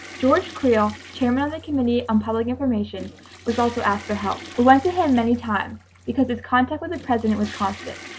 George Creel, chairman of the Committee on Public Information, was also asked for help. We went to him many times, because his contact with the President was constant.